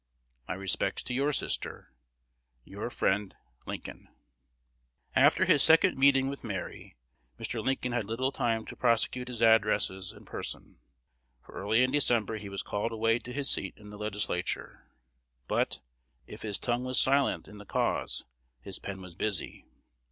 My respects to your sister. Your friend, Lincoln. After his second meeting with Mary, Mr. Lincoln had little time to prosecute his addresses in person; for early in December he was called away to his seat in the Legislature; but, if his tongue was silent in the cause, his pen was busy.